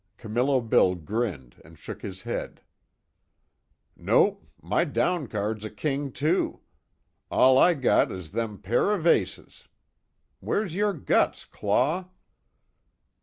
Camillo Bill grinned and shook his head: "Nope, my down card's a king, too. All I got is them pair of aces. Where's yer guts, Claw?"